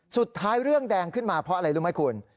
เรื่องแดงขึ้นมาเพราะอะไรรู้ไหมคุณ